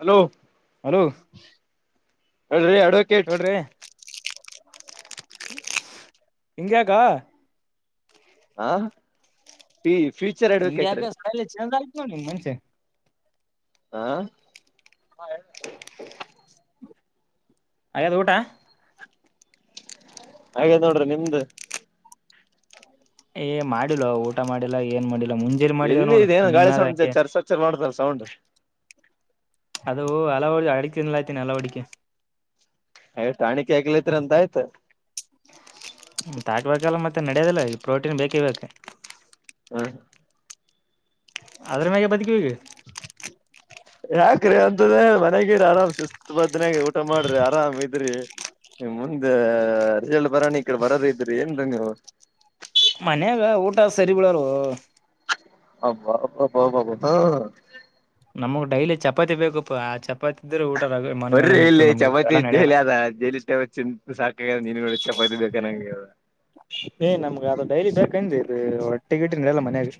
Hello hello [unintelligible] ಹೇಳ್ ರ್ರೀ ಅಡಿಕ್, ಹೇಳ್ರಿ ಹಿಂಗ್ಯಾಕ ಹ-ಈ ಫ್ಯೂಚರ್ ಅಡ್ವೊಕೇಟ್- ರೀ ಮೇ [unintelligible] ಚೆಂದ [unintelligible] ಆ್ತವ ನಿಮ್ ಮನ್ಷೆ [unintelligible] ಹಾ ಹಾಗೇದ ಊಟ ಹಾಗೆ ನೋಡ್ರಿ ನಿಮ್ದ್. ಏ -ಮಾಡಿಲ್ಲ ಊಟ ಮಾಡಿಲ್ಲ ಏನ್ ಮಾಡಿಲ್ಲ ಮುಂಜೆಲಿ ಮಾಡಿದೇವ ಎಲ್ಲಿ ನೋಡು ಇದೇನ ಗಾಳಿ ಇನ್ನಾದ್ ಸೌಂಡ್ ಹಾಗಂಗೆ [unintelligible] ಮಾಡ್ತಾರ ಸೌಂಡ್ ಅದು ಹಲವು ಅಡ ತಿನ್ಲಾತನಿ ಹಲ ಹಡಿಕೆ. ಎಯಷ್ಟುಟಾಣಿಕೆ ಆಗ್ಲೈತ್ರೀ [unintelligible] ಅಂತ ಆಯ್ತು ತಾಕ್ಬೇಕಲ್ಲ ಮತ್ತೆ ನಡ್ಯದಲ್ಲ ಇಲ್ಲಿ ಪ್ರೋಟೀನ್ ಬೇಕೇ ಬೇಕು ಹಾ ಅದ್ರ ಮ್ಯಗಿ ಬದುಕವಿ ಯಾಕ್ರಿ ಅಂತದೇ ಮನ್ಗಿರ ಆರಾಮ್ ಸುಸ್ತು ಬದ್ನಯಾಗ ಊಟ ಮಾಡ್ರಿ ಆರಾಮ್ ಇದ್ರಿ. ಇನ್ ಮುಂದ್ ರೆಜಲ್ಟ್ ಬರೋಣ ಈ ಕಡೆ ಬರೋರ ಇದ್ರಿ ಏನ್ರ ನೀವು. ಮನ್ಯಾಗ ಊಟ ಸರಿ ಇಲ್ಲರ್ರಿ ಅಬಬಬಬ [unintelligible] ನಮಗ ಡೈಲಿ ಚಪಾತಿ ಬೇಕಪ್ಪಾ ಚಪಾತಿ ಇದ್ರೆ ಊಟ ಬರ್ರೀ ಮನಗಣಂಗ ಇಲ್ಲಿ ಇರ್ತದೆ ನಮ್ಗೆ ಚಪಾತಿ ಎಲ್ಲ ನಡೆಯಲ್ಲ ಡೆಲಿ ಅದ ಡೆಲಿ ಚಪಾತಿ ತಿನ್ ಸಾಕಾಗೆದ ನಿನಗೋಳೇ ಚಪಾತಿ ಬೇಕ ಅನಂಗ ಆಗೇದ ಏ ನಮ್ಗ ಅದ ಡೈಲಿ ಬೇಕಂದಿ ಇದ ರೊಟ್ಟಿ ಗಿಟ್ಟಿ ನಡಿಯಲ್ಲ ಮನ್ಯಾಗ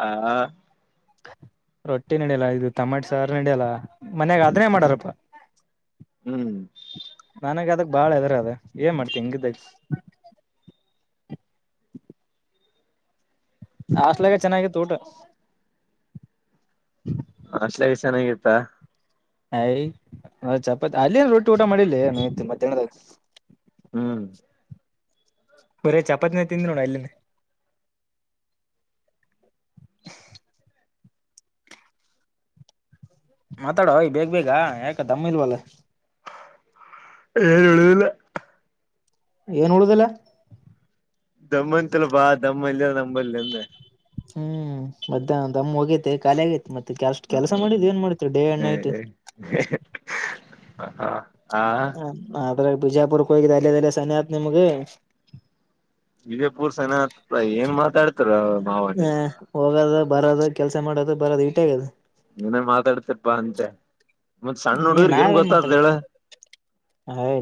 ಹಾ ರೊಟ್ಟಿ ನಡಿಯಲ್ಲ ಇದು ತಮಾಟೆ ಸಾರ ನಡಿಯಲ್ಲ ಮನ್ಯಾಗ ಅದ್ನೇ ಮಾಡ್ಯಾರಪ್ಪ ಹ್ಮ್ ನನಗ ಅದ್ ಬಾಳ ಹೆದರ ಅದ ಏನ್ ಮಾಡತಿ ಹಿಂಗಿದ್ದಾಗ ಹಾಸ್ಟಲಾಗ್ ಚೆನ್ನಾಗಿತ್ತ ಊಟ ಹಾಸ್ಟೆಲಾಗೆ ಚೆನ್ನಾಗಿತ್ತಾ ಅಯ್ ಚಪಾತಿ ಅಲ್ಲೆನ್ ರೊಟ್ಟಿ ಊಟ ಮಾಡಿಲ್ಲೆ ಎ ಮಧ್ಯಾಹ್ನದಾಗ ಹ್ಮ್ ಬರೇ ಚಪಾತಿನೇ ತಿಂದಿ ನೋಡ ಅಲ್ಲಿ ಮಾತಾಡೊ ಎ ಬೇಗ್ ಬೇಗ ಯಾಕ ದಮ್ಮ ಇಲ್ವಲ್ಲ ಏನ ಹೇಳುದಿಲ್ಲ ಏನ್ ಉಳದಿಲ್ಲ ದಮ್ಮಂತಿಲ್ಲ ಪಾ ದಮ್ಮ ಇಲ್ಲ ನಮ್ಮ ಬಲ್ಲಿ ಅಂದೆ ಹ್ಮ್ ಮಧ್ಯಾಹ್ನ ದಮ್ಮ ಹೋಗೇತೆ ಖಾಲಿ ಆಗೇತಿ ಮತ್ತ ಅಷ್ಟ್ ಕೆಲಸ ಮಾಡಿದ್ ಏನ್ ಮಾಡತಿ ಡೇ ಅಂಡ್ ನೈಟ್ ಹ ಹಾ ಆದ್ರ ಬಿಜಾಪುರಕ್ಕ ಹೋಗಿದ್ದ ಅಲ್ಲಿದಲ್ಲೇ ಸನೆ ಆತ್ ನಿಮ್ಗ ವಿಜಯಪುರ್ ಸನೆ ಆತದ ಏನ್ ಮಾತಾಡ್ತಿರೋ ಮಾವ ನಿವ ಹ ಹೋಗದು ಬರದು ಕೆಲ್ಸ ಮಾಡೋದು ಬರದು ಇಟೇ ಆಗೇದ ನೀನೇ ಮಾತಾಡ್ತಿರಪ್ಪಾ ಅಂತೆ ಮತ್ ಸಣ್ಣ ಈ ಹುಡುಗರ್ಗ್ ಏನ್ ನಾವೇನ್ ಗೊತ್ತಾತದ ಮಾತಾಡ ಹೇಳ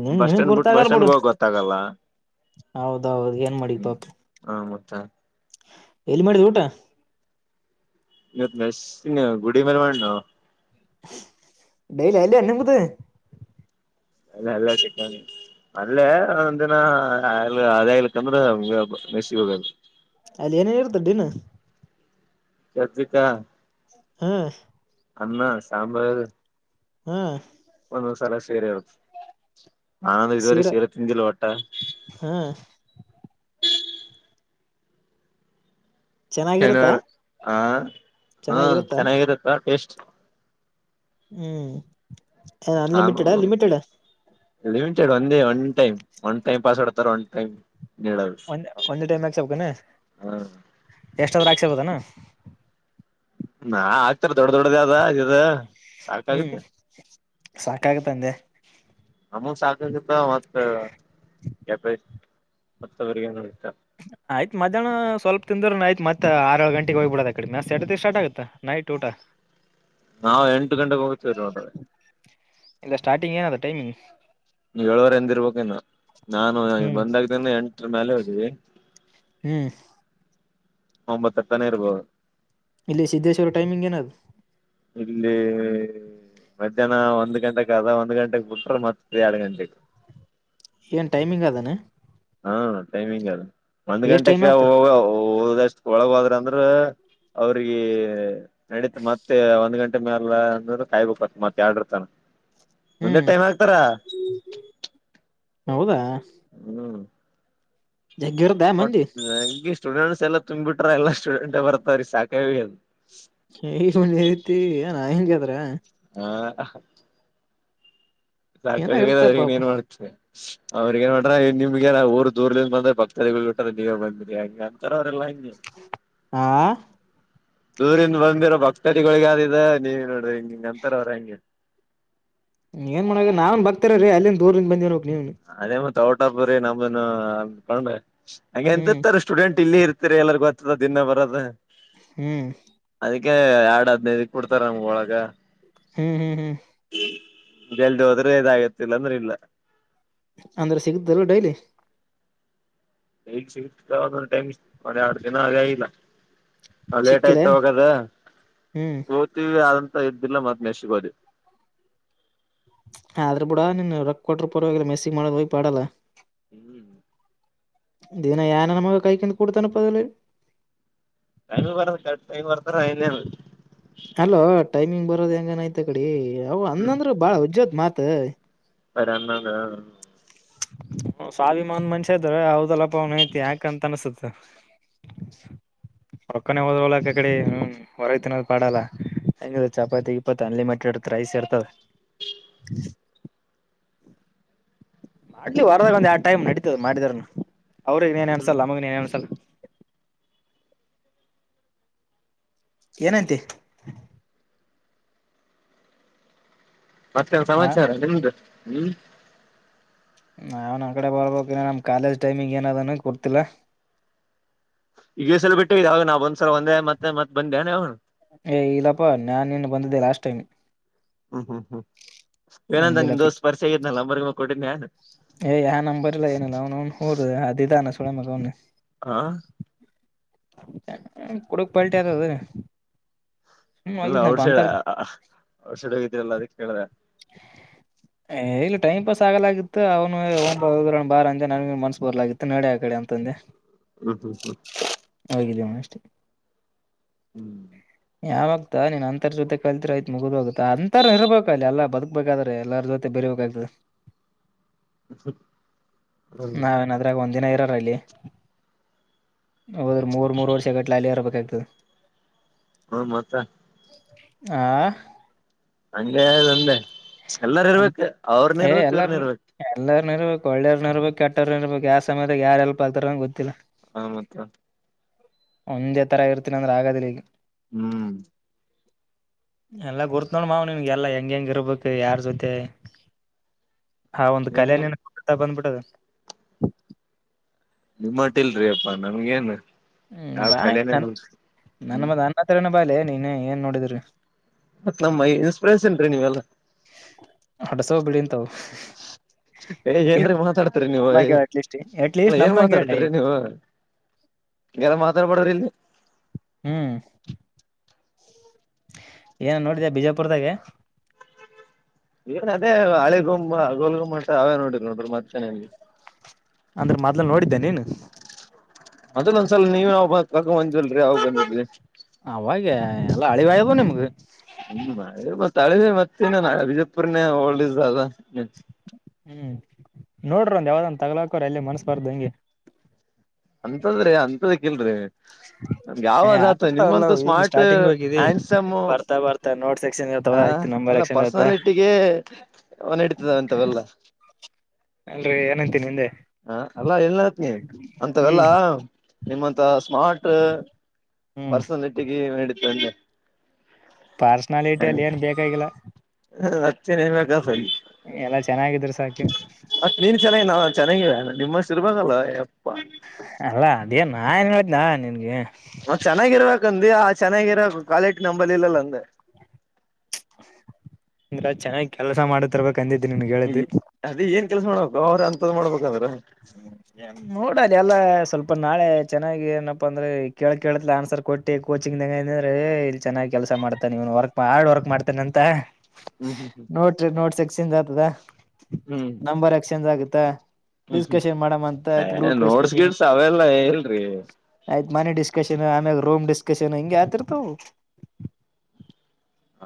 ನಿನ್ ಬಸ್ ನಿನಗ್ ಸ್ಟ್ಯಾಂಡ್ ಬುಟ್ಟ ಬಸ್ ಗುರ್ತಾಗಲ್ ಬಿಡು ಸ್ಟ್ಯಾಂಡ್ಗೆ ಹೋಗದ ಗೊತ್ತಾಗಲ್ಲ. ಹೌದೌದು ಏನ್ ಮಾಡಿ ಪಾಪ ಹಾ ಮತ್ತ. ಎಲ್ಲ ಮಾಡಿ ಊಟಾ. ಇವತ್ ಮೆಸ್ಸನ್ಯಾಗ ನೀ ಗುಡಿ ಮ್ಯಾಲ ಮಾಡಿನೋ. ಡೆಲಿ ಅಲ್ಲೆ ಏನ್ ನಿಮ್ದು ಅಲ್ಲೇ ಅಲ್ಲೇ ಚಿಕನ್. ಅಲ್ಲೇ ಒಂದಂದ ದಿನ ಅಲ್ಲೇ ಹಾದ್ಯಾಗೆಲ್ಲ ತಿಂದ್ರ ಮೆಸ್ಸಿಗ್ ಹೋಗಲ್ಲ ಅಲ್ಲಿ ಏನೇನ್ ಇರತ್ತ್ ಡಿನ ಚತ್ರಿಕಾ ಹ್ಮ ಅನ್ನ ಸಾಂಬಾರ್ ಹ ಒಂದೊಂದ್ ಸಲ ಶಿರೆ ಇರತ್ತ ನಾನ ಇದುವರೆಗ ಸೀರಾ ಶಿರೆ ತಿಂದಿಲ್ಲ ಒಟ್ಟ ಹಾ ಚೆನ್ನಾಗಿರುತ್ತಾ ಶನಿವಾರ ಹ ಹಾ ಚೆನ್ನಾಗಿರುತ್ತಾ ಚೆನ್ನಾಗಿರತ್ತಾ ಟೇಸ್ಟ್ ಹ್ಮ್ ಹಾ ಅನ್ಲಿಮಿಟೆಡ್ ಗುರು ಲಿಮಿಟೆಡ್ ಲಿಮಿಟೆಡ್ ಒಂದೇ one time one time password ತರ ಒನ್ ಟೈಮ್ ನೀಡದು ಒಂದೇ ಒಂದೇ ಟೈಮ್ ಹಾಕ್ಸಕಬೇಕ ಏನ್ ಹ ಎಷ್ಟಾದ್ರೂ ಹಾಕ್ಸಗೋಬದನಾ ನಾ ಹತ್ತರ ದೊಡ್ಡ ದೊಡ್ಡದ ಅದೇ ಇದ. ಹ್ಮ್ ಸಾಕಾಗುತ್ತೆ ಸಾಕಾಗತ್ತಂದೆ ನಮಗ್ ಸಾಕಾಗತ್ತ ಮತ್ತ [unintelligible] ಆಯ್ತ ಮಧ್ಯಾಹ್ನ ಸ್ವಲ್ಪ ತಿಂದ್ರನ ಆಯ್ತ್ ಮತ್ತ ಆರ ಏಳ ಗಂಟೆಗೆ ಹೋಗ್ಬ ಬಿಡದ ಆ ಕಡೆ ಮೆಸ್ ಎಸ್ಟೋತ್ತಿಗೆ ಸ್ಟಾರ್ಟ ಆಗುತ್ತೆ ನೈಟ್ ಊಟ ನಾವ ಎಂಟು ಗಂಟೆಗೆ ಹೋಗ್ತೇವ ನೋಡ್ ಇಲ್ಲ ಸ್ಟಾರ್ಟಿಂಗ ಏನ್ ಅದ ಟೈಮಿಂಗ್ ಏಳುವರೆ ಅಂದಿರ ಬೇಕೇನ ನಾನು ಹ್ಮ್ ಬಂದಾಗ್ದಿನ ಎಂಟ್ರ ಮ್ಯಾಲ ಅಡಿಗೆ ಹ್ಮ್ ಒಂಬತ್ತರ ತನ ಇರ್ಬೋದು ಇಲ್ಲಿ ಸಿದ್ದೇಶ್ವರ ಟೈಮಿಂಗ್ ಏನ ಅದ ಇಲ್ಲಿ ಮಧ್ಯಾಹ್ನ ಒಂದ್ ಗಂಟೆಕ್ ಅದ ಒಂದ್ ಗಂಟೆಗೆ ಬಿಟ್ರ ಮತ್ತ ಎರಡ್ ಗಂಟೆಗೆ ಏನು ಟೈಮಿಂಗ್ ಅದ ಏನ್ ಹಾಂ ಟೈಮಿಂಗ್ ಅದು ಒಂದು ಎಷ್ಟ್ ಟೈಮ್ ಗಂಟೆಗೆ ಆಗ್ತಾರ ಹೋದಷ್ಟು ಒಳಗೋದ್ರ ಅಂದ್ರ ಅವ್ರಿಗೆ ನಡತ್ ಮತ್ತೆ ಒಂದ್ ಗಂಟೆ ಅಂದ್ರೆ ಕಾಯಬೇಕ ಮತ್ತ ಎರಡ್ರ ತನ ಒಂದೆ ಹ್ಮ್ ಟೈಮ್ ಹಾಕ್ತಾರ ಹೌದಾ ಹ್ಮ್ ಜಗ್ಗಿ ಇರುತ್ತಾ ಬಟ್ ಮಂದಿ ನಂಗೆ ಸ್ಟೂಡೆಂಟ್ಸ್ ಎಲ್ಲಾ ತುಂಬ ಬಿಟ್ರ ಎಲ್ಲಾ ಸ್ಟೂಡೆಂಟ್ ಬರ್ತವ್ರೀ ಸಾಕಗ ಹೋಗ್ಯದ [unintelligible] ಹಾ ಏನ ಸಾಕಾಗ ಹೋಗ್ಯದ ಇರ್ತ ಪಾಪ ಇನ್ನೇನ್ ಮಾಡ್ತಿ ಅವ್ರಿಗ ನ್ ಮಾಡ್ರ ನಿಮ್ಗೆಾರ ಊರ್ ದೂರ್ದಿಂದ ಬಂದ್ರೆ ಭಕ್ತರಿಗಳು ಬಿಟ್ಟ ನೀವೇ ಬಂದಿ್ರಿ ಅಂತರ ಅವ್ರಲ್ಲ ಆಾ ದೂರಿಂದ ಬಂದಿರೋ ಭಕ್ತರಿಗಳೊಳಗ ಆದಿದ ನೀವ ನೋಡ್ರಿ ಹಿಂಗ ಹಿಂಗ ಅಂತರ ಅವರ ಹೆಂಗೆ ನಾವೇನ ಬಕ್ತರ ರೀ ಅಲ್ಲಿಂದ ದೂರದಿಂದ ಬಂದಿರ ಬೇಕ ನೀವುನು ಅದೇ ಮತ್ ಔಟ್ ಆಫ್ ರಿ ನಮ್ದನ್ನು ಅಂದಕೊಂಡ ಹಂಗೆ ಹ್ಮ್ ಅಂತಿರ್ತಾರೆಷ್ಟ ಸ್ಟೂಡೆಂಟ್ ಇಲ್ಲಿ ಇರ್ತೀರಿ ಎಲ್ಲರಿಗೂ ಗೊತ್ತದ ದಿನ ಬರೋದು ಹ್ಮ್ ಅದಕ್ಕೆ ಎರಡ್ ಹದ್ನೈದಕ ಬಿಡ್ತಾರ ನಮ್ಗ ಒಳಗ ಹ್ಮ್ ಹ್ಮ್ ಹ್ಮ್ ಜಲ್ದಿ ಹೋದ್ರೆ ಇದಾಗತ್ತ ಇಲ್ಲ ಅಂದ್ರ ಇಲ್ಲ ಅಂದ್ರೆ ಸಿಗುತ್ತ ಇಲ್ಲ ಡೈಲಿ ಡೈಲಿ ಸಿಗುತ್ತ ಒಂದೊಂದ್ ಟೈಮ್ ಒಂದ ಎರಡ್ ದಿನ ಆಗ ಇಲ್ಲ ಹ ಲೇಟ್ ಸಿಕ್ಕಿಲ್ಲ ಆಯ್ತ ಏನ್ ಅವಾಗ ಅದ ಹ್ಮ್ ಓತೀವಿ ಅಂತ ಎದ್ದಿಲ್ಲ ಮೆಸ್ಸಿಗೆ ಹೋದಿವಿ ಆದ್ರೂ ಬಿಡ ನಿನ್ ರೊಕ್ಕ ಕೊಟ್ಟ್ರರು ಪರವಾಗಿಲ್ಲ ಮೆಸ್ಸಿಗಿ ಮಾಡದ ಹೋಗ್ ಪಾಡಲ್ಲ ಹ್ಮ್ ದಿನ ಯಾ ನನ್ನ ಮಗ ಕಾಯಕೊಂಡ ಕೂಡ್ತಾನ ಪ ಅಲ್ಲಿ ಟೈಮಗಿ ಬರದ ಕರೆಕ್ ಟೈಮ್ ಬರ್ತಾರ ಇಲ್ಲಿನು ಅಲ್ಲೋ ಟೈಮಿಂಗ್ ಬರೋದ ಹೆಂಗನ್ ಐತೆ ಆ ಕಡಿ ಅವು ಹ್ಮ್ ಅಂದಂದ್ರ ಬಾಳ ವಜ್ಜ ಅದ ಮಾತ್ [unintelligible] ಸ್ವಾಭಿಮಾನ ಮನ್ಷ ಇದದ್ರ ಹೌದಲ್ಲಪ್ಪ ಅವನ ಐತಿ ಯಾಕಂತ ಅನ್ಸುತ್ತ [inaudible] ರೊಕ್ಕನ ಹೋದ್ರ ಹೋಗಲಾಕ ಆ ಕಡೆ ಹ್ಮ ಹೊರಗ ತಿನ್ದ ಪಾಡಲ್ಲ ಹೆಂಗಿದ್ರು ಚಪಾತಿ ಗಿಪತಿ ಅನ್ಲಿಮಿಟೆಡ್ ರೈಸ್ ಇರ್ತದ ಹ್ಮ ಮಾಡ್ಲಿ ವಾರ್ದಗ ಒಂದು ಆ ಟೈಮ್ ನಡೀತದ ಮಾಡಿದಾರ ಅವ್ರಗ್ ಏನ್ ಹ್ಮ್ ಅನ್ಸಲ್ಲ ನಮಗ ಏನ್ ಅನ್ಸಲ್ಲ ಏನಂತೆ ಮತ್ತೇನ ಹಾ ಸಮಾಚಾರ ನಿಮ್ದು ಹ್ಮ್ ನಾವ್ ನ್ ಕಡೆ ಬರ್ಬೇಕು ನಮ್ ಕಾಲೇಜ್ ಟೈಮಿಂಗ ಏನ ಅದೂಕುರ್ತೀಲ್ಲಾ ಈಗ ಸಲ ಬಿಟ್ಟು ಅವಾಗ ನಾವ್ ಒಂದ್ಸಲ ಒಂದೇ ಮತ್ತೆತ್ತತ್ ಬಂದೆ ಅವು ಏ ಇಲ್ಲಪ್ಪಾ ನಾನ್ ನಿನ್ ಬಂದಿದ್ದೆ ಲಾಸ್ಟ್ ಟೈಮ್ ಹ್ಮ್ ಹ್ಮ್ ಹ್ಮ್ ಏನಂದ ನಿಮ್ಮ ಬಂದಿಲ್ಲಪ್ಪಿ ದೋಸ್ತ್ ಪರಿಚಯ ಇದ್ನಲ ನಂಬರ್ ಗಿಂಬರ್ ಕೊಟ್ಟಿದ್ದೆ ನನ್ ಏ ಯಾವ ನಂಬರ್ಲ್ಲ ಏನ ನ್ನು ಅನೌನ್ ಊರು ಅದ ಇದಾನ ಸೊಳೆ ಮಗ ಅವನ ಹಾ ಅ ಅ ಕೊಡಕ ಪಲ್ಟಿತದದ ಅಲ್ಲ ಔಟ್ ಸೈಡ್ ಅ ಅ ಔಟ್ ಸೈಡ್ ಹೋಗಿದರಲ್ಲ ಅದಕ್ಕೆ ಕೇಲ್ದೆ ಹೇ ಇಲ್ಲಿ ಟೈಮ್ ಪಾಸ್ ಆಗಲಾಗಿತ್ತು ಅವನು ಹೋಗ್ ಬಾರ್ ಹೋಗಿ ಬಾರ ಅಂದ ನನ್ನಗೂ ಮನ್ಸ್ ಬರ್ಲಾಗಿತ್ತು ನಡ ಆ ಕಡೆ ಅಂತಂದೆ ಹ್ಮ್ ಹ್ಮ್ ಹ್ಮ್ ಹೋಗಿದ್ಯನ ಅಷ್ಟೆ ಹ್ಮ್ ಯಾವಾಗತಾ ನೀನ್ ಅಂತರ ಜೊತೆ ಕಲ್ತ್ರ ಆಯತ್ ಮುಗಿದ್ ಹೋಗತಾ ಅಂತರ ಇರ್ಬೇಕ ಅಲ್ಲಿ ಎಲ್ಲ ಬದುಕ್ಬೇಕಾದ್ರೆ ಎಲ್ಲರ ಜೊತೆ ಬೇರಬೇಕಾಗ್ತದೆ ಹ್ಮ್ [inaudible] ಹ್ಮ್ ನಾವೇನಾದ್ರಾಗ ಒಂದಿನ ಇರಾರ ಅಲ್ಲಿ ಹೌದ್ರ ಮೂರ್ ಮೂರು ವರ್ಷ ಗಟ್ ಅಲ್ಲಿ ಇರಬೇಕಾಗ್ತದೆ ಹ್ಮ ಮತ್ತೆ ಆ ಹಗೆಂದೆ ಎಲ್ಲರ ಇರ್ಬೇಕು ಅವ್ರನ ಇರ್ಬೇಕು ಇವ್ರನ ಇರ್ಬೇಕು ಎಲ್ಲಾರನು ಇರ್ಬೇಕು ಒಳ್ಳೆವ್ರನ ಇರ್ಬೇಕು ಕೆಟ್ಟವ್ರನ ಇರ್ಬೇಕು ಯಾವ ಸಮಯದಾಗ ಯಾರ ಹೆಲ್ಪ್ ಆಗ್ತಾರೆ ಅಂತ ಗೊತ್ತಿಲ್ಲ ಹ ಮತ್ತ ಒಂದೇ ತಥರ ಇರ್ತೀನ ಅಂದ್ರೆ ಆಗದಿಲ್ಲ ಇಲ್ಲಿ ಹ್ಮ್ ಎಲ್ಲ ಗುರ್ತ್ ನೋ ಮಾವ ನಿಮ್ಗೆ ಹೇಳ ಹೆಗೆ ಹೆಂಗ ಇರ್ಬೇಕು ಯಾರ್ ಜೊತೆ ಹ ಒಂದು ನಿಮ್ ಕಲೆ ಹುಟ್ಟುತಾ ಬಂದ್ಬಿಟ್ಟದೆ ನಿಮ್ಮಟ್ಟ ಇಲ್ರಿ ಅಪ್ಪಾ ನನ್ಗೇಏನ್ ಹ್ಮ್ ಬಾಯ ನ ನನ್ನ ಹ್ಮ್ ಮ ನನ್ನ ಹತ್ರನ ಬಾರ್ಲೆ ನೀನ್ ಏನ್ ನೋಡಿದ್ರಿ ಮತ್ತ್ ನಮ್ಮ ಇನ್ಸ್ಪಿರೇಷನ್ ರೀ ನೀವೆಲ್ಲ ಹಡ್ಸ್ವ್ ಬೆಳಿಂತವು ಏ ಏನ್ರರಿ ಮಾತಾಡ್ತರಿ ನೀವ ಹೆ ನಮ್ಮಂಗ ಅಟ್ಲೀಸ್ಟ್ ಅ ಅಟ್ಲೀಸ್ಟ್ ಏನ್ ನಮ್ಮಂಗ ಮಾತಾಡ್ತಿ ಹೇಳಿ ರಿ ನೀವು ಹಾಗೆಲ್ಲ ಮಾತಾಡ್ಬಾಡ್ರ ಇಲ್ಲಿ ಹ್ಮ್ [inaudible] ಏನ ನೋಡಿದ್ಯಾ ಬಿಜಾಪುರದಾಗೆ ಏನ್ ಅದೇ ಹಳೆ ಗೊಂಬ ಗೋಲುಗುಮಾಟ ಅವೇ ನೋಡ ನೋಡ್ರರು ಮತ್ತೆ ಏನು ಇಲ್ರಿ ಅಂದ್ರೆ ಮೊದ್ಲು ನೋಡಿದ್ದೆ ನೀನು ಅದಲ್ ಒಂದ್ಸಲ ನೀವು ಯ ಕರಕೊಡು ಬಂದಿಲ್ರರಿ ಅವ್ ಬಂದಿದ್ವಿ ಅವಾಗ ಎಲ್ಲ ಅಳಿವಯ್ದು ನಿಮ್ಗ ಹ್ಮ್ ಹಳೆವೆ ಹಳೆವೆ ಮತ್ತ ಇನ ಬಿಜಯಪುರ್ನೇಗೆ ಹೋಲ್ಡ್ ಅದ ಹ್ಮ್ ನೋಡ್ರಿ ಒಂದು ಯಾವ್ದಂದು ತಗಲಾಕೋ್ರ ಅಲ್ಲಿ ಮನ್ಸ್ಬಾರ್ದು ಹಂಗೆ ಅಂತದ್ರೆ ಅಂತದ ಕಿಲ್ರರಿ ಏ ಯಾವದಾತ ಆತಿರ್ತಾವಲ್ಲ ನಿಮಂತೂ ಅವು ಈಗ ಸ್ಮಾರ್ಟ್ ಸ್ಟಾರ್ಟಿಂಗ್ ಹೋಗಿದಿ ಹ್ಯಾಂಡ್ಸಮು ಬರ್ತಾ ಬರ್ತಾ ನೋಟ್ ಸೆಕ್ಷನ್ [inaudible] ಇರ್ತಾವ ಹ ಆಯ್ತು ನಂಬರ್ ಅಲ್ಲ ಸೆಕ್ಷನ್ ಇರ್ತ ಪರ್ಸನಾಲಿಟಿಗೆ ಅವು ನೆಡಿತದಂತವೆಲ್ಲ ಅಲ್ರರಿ ಏನಂತೀನಿ ಹಿಂದೆ ಹ ಅಲ್ಲಾ ಎಲ್ಲತ್ನಿ ಹ್ಮ್ ಅಂತವೆಲ್ಲಾ ನಿಮ್ಮಂತ ಸ್ಮಾರ್ಟ್ ಹ್ಮ್ ಪರ್ಸನಲಿಟಿಗೆ ನೆಡಿವೆ ಅಂಗೆ ಪಾರ್ಸನಾಲಿಟಿ ಅಲ್ಲಿ ಏನ್ ಬೇಕಾಗಿಲ್ಲ ಮತ್ತೇನ್ ಹೇಳ್ಬೇಕ ಎಲ್ಲಾ ಚೆನ್ನಾಗಿದ್ರು ಸಾಕಿ ಮತ್ ನೀನ್ ಚೆನ್ನಾಗಿದಿ ನಾ ಚೆನ್ನಾಗಿದೀನಿ ನಿಮ್ಮಷ್ಟು ಇರ್ಬೇಕಲ್ಲ ಎಪ್ಪಾ. ಅಲ್ಲಾ ಅದೇ ನಾ ಹೇಳಿದೀನಿ ನಿನ್ಗೆ. ನಾವ್ ಚೆನ್ನಾಗಿರಬೇಕಂದಿ ಹಾ ಚೆನ್ನಾಗಿ ಇರಾರ್ ಕ್ವಾಲಿಟಿ ನಂಬದಿಲ್ಲಲ್ಲಾ ಅಂದೆ. ಅಂದ್ರ ಚೆನ್ನಾಗ್ ಕೆಲ್ಸ ಮಾಡ್ತಿರಬೇಕು ಅಂದಿದ್ ನಿನ್ಗ್ ಹೇಳಿದ್ದು. ಅದೇ ಏನ್ ಕೆಲಸ ಮಾಡ್ಬೇಕು ಅವ್ರ ಅಂತಾವ್ ಮಾಡ್ಬೇಕಂದ್ರ. ಹ್ಮ್. [unintelligible] ನೋಡ್ ಅದೇ ಎಲ್ಲ ಸ್ವಲ್ಪ ನಾಳೆ ಚೆನ್ನಾಗಿ ಏನಪ್ಪಾ ಅಂದ್ರೆ ಕೇಳ್ ಕೇಳ್ತಾಲೆ ಆನ್ಸರ್ ಕೊಟ್ಟ. ಕೋಚಿಂಗ್ನಾಗ ಅದನಂದ್ರೆ ಇಲ್ಲಿ ಚೆನಾಗ್ ಕೆಲಸ ಮಾಡ್ತಾನ ಇವನ್ ಬಾಳ ಆಡ್ ವರ್ಕ್ ಮಾಡ್ತಾನ ಅಂತ. ಹ್ಮ್ ಹ್ಮ್ ನೋಟ್ರಿ ನೋಟ್ಸ್ ಸಿಕ್ಸ್ ಅಕ್ತದ ಹ್ಮ್ ಹ್ಮ್ ನಂಬರ್ ಎಕ್ಸ್ಚೇಂಜ್ ಆಗುತ್ತಾ. ಹ್ಮ್ ಹ್ಮ್ ಡಿಸ್ಕಷನ್ ಮಾಡಮ್ ಅಂತ ಆಯ್ತು ಏ ಗ್ರೂಪ್ ನೋಡ್ಸ್ ಡಿಸ್ಕಷನ್. ಗಿಡ್ಸ್ ಅವೆಲ್ಲ ಇಲ್ರಿ ಆಯ್ತ್ ಮನೆ ಡಿಸ್ಕಶನ್ ಆಮ್ಯಾಲ್ ರೂಮ್ ಡಿಸ್ಕಶನ್ ಹಿಂಗೆ ಅಕ್ತಿರ್ತವು.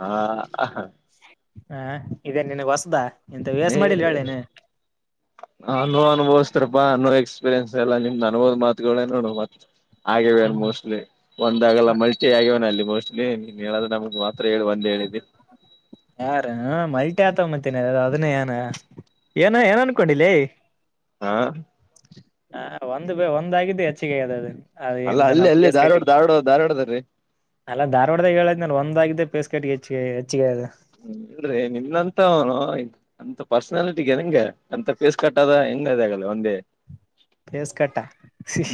ಹಾ. [unintelligible] ಹಾ ಇದೇನ್ ನಿನುಗ್ ಹೊಸದ. ಇಂತ ವೇಸ್ ನೀ. ಮಾಡಿಲ್ ಹೇಳೇನೆ [unintelligible] ಹಲ್ಲೋ ಅನುಭವಿಸ್ತಿರಪ ನೂರು ಎಕ್ಸ್ಪೀರಿಯನ್ಸ್ ಎಲ್ಲಾ ನಿಮ್ದ್ ಅನುಭವುದು ಮಾತುಗಳೇ ನೋಡು ಮತ್. ಹಾಗಿವೆ ಏನ್ ಮೋಸ್ಟ್ಲಿ. ಒಂದ್ಗಲ್ಲ ಮಲ್ಕಿ ಆಗ್ಯವನ ಅಲ್ಲಿ ಮೋಸ್ಟ್ಲಿ ಹೇಳಿದ್ರಾ ನಮ್ಗ್ ಮಾತ್ರ ಹೇಳಿ ಒಂದ್ ಹೇಳಿದ್ದೆ. ಯಾರ್ ಹಾ ಮಲ್ಟಿ ಆತ ಮತ್ತಿನ್ ಅದನ್ನೇ ಏನ್. ಏನ ಏನ್ ಅನ್ಕೊಂಡಿ ಲೆ. ಹಾ. [unintelligible] ಹಾ ಒಂದು ಒಂದಾಗಿದ್ದು ಹೆಚ್ಚಿಗೆ ಅಗೆದ ಅದು. ಅದ ಅಲ್ಲ ಎಂತ ಅಲ್ಲಿ ನಮ್ ಅಲ್ಲಿ ಕೇಸ್ ಧಾರವಾಡ ಕಟ್ಟಿಂಗ್ ಧಾರವಾಡ ಧಾರವಾಡದಗ ರೀ. ಅಲ್ಲ ದಾರವಾಡದಾಗ ಹೇಳ್ದೆ ನಾನು ಒಂದ ಆಗಿದ್ದೆ, ಪೇಸ್ ಕಟ್ಟಿಗೆ ಹೆಚ್ಚ ಹೆಚ್ಚಾಗಿದೆ. ಹ್ಮ. [unintelligible] ಇಲ್ರಿ ನಿನ್ನಂತ ಅವನು ಆಯ್ತ. ಅಂತ ಪರ್ಸನಾಲಿಟಿಗೆ ನಂಗ ಅಂತ ಪೇಸ್ ಕಟ್ಟದ ಹೆಂಗ ಆಗಲ್ಲ ಒಂದೇ. ಪೇಸ್ ಕಟ್ಟಾ.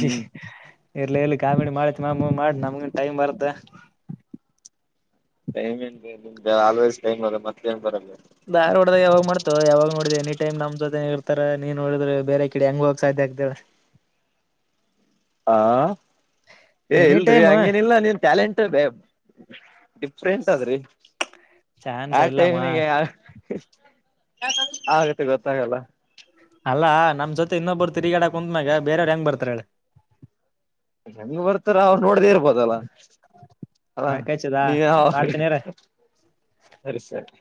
ಹ್ಮ್ ಇರ್ಲಿ ಇಲ್ಲಿ ಕಾಮಿಡಿ ಮಾಡಿತಿ ಮಾಮ್ ಮಾಮ್ ಮಾಡ್ ನಮಗುನು ಟಮ್ ಬರುತ್ತೆ. ಟೈಮ್ ಏನ್ ನಿಮ್ ಆಲ್ವೇಸ್ ಟೈಮ್ ಅದ ಮತ್ತೇನು ಬರಲ್ಲ. ಧಾರ್ವಾಡದಾಗ ಯಾವಾಗ ಮಾಡ್ತೀಯೋ ಯಾವಾಗ ನೋಡಿದೆ ಹೆನಿ ಟೈಮ್ ನಮ್ ಜೊತೆನೆ ಇರ್ತಾರ ನೀನ್ ನೋಡಿದ್ರೆ ಬೇರೆ ಕಡ ಹೆಂಗ ಹೋಗೋಕೆ ಸಾಧ್ಯ ಆಗ್ತದ ಹೇಳು. ಹಾ ಏ ಎನಿ ಇಲ್ರಿ ಟೈಮ್ ಹಂಗೇನಿಲ್ಲ ನೀನ್. ಟ್ಯಾಲೆಂಟ್ ಅದೇ ಡಿಫ್ರೆಂಟ್ ಅದ್ರಿ. ಚಾನ್ಸ್ ಯಾ ಇಲ್ಲಮ್ಮ ಟೈಮನೇಗ [unintelligible] ಆಗತ್ತೆ ಗೊತ್ತಾಗಲ್ಲ. ಅಲ್ಲಾ ನಮ್ ಜೊತೆ ಇನ್ನೊಬ್ಬರು ತಿರುಗಾಡ ಕುಂತ್ನಾಗ ಬೇರೆಯವರು ಹೆಂಗ್ ಬರ್ತಾರ ಹೇಳ್. ಹೆಂಗ್ ಬರ್ತಾರ ಅವ್ರು ನೋಡದೇ ಇರ್ಬೋದಲ್ಲ. ಹಾಲೋ ಮ್ಯಾಕಚದ ನೀವೇ ಹೇಳಬೇಕ್ರಿ, ಮಾಡ್ತನಿರ ಸರಿ ಸರಿ.